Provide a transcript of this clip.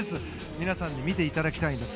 皆さんに見ていただきたいです。